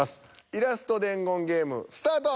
イラスト伝言ゲームスタート。